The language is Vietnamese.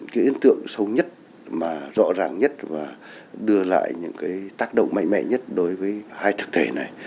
cái ấn tượng sâu nhất mà rõ ràng nhất và đưa lại những cái tác động mạnh mẽ nhất đối với hai thực thể này